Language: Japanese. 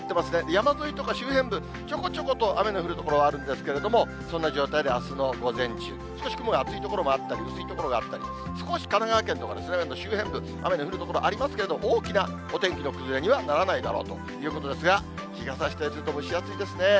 山沿いとか周辺部、ちょこちょこと雨の降る所あるんですけれども、そんな状態であすの午前中、少し雲が厚い所もあったり、薄い所があったり、少し神奈川県とかその周辺部、雨の降る所、ありますけれども、大きなお天気の崩れにはならないだろうということですが、日がさしたりすると、蒸し暑いですね。